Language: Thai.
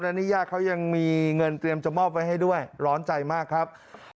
อันนี้ญาติเขายังมีเงินเตรียมจะมอบไว้ให้ด้วยร้อนใจมากครับ